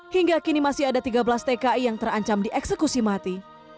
hingga kini masih ada tiga belas tki yang terancam dieksekusi mati